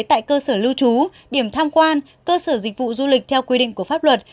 tại cơ sở lưu trú điểm tham quan cơ sở dịch vụ du lịch theo quy định của pháp luật